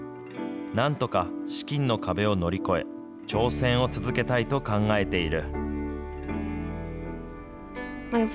なんとか資金の壁を乗り越え、挑戦を続けたいと考えている。